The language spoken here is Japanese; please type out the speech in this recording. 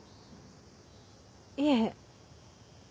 いえ。